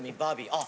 あっ！